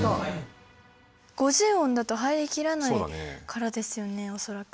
５０音だと入りきらないからですよね恐らく。